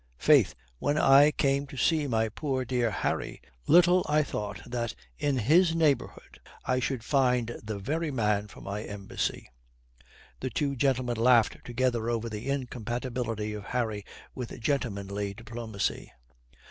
Faith, when I came to see my poor, dear Harry, little I thought that in his neighbourhood I should find the very man for my embassy." The two gentlemen laughed together over the incompatibility of Harry with gentlemanly diplomacy.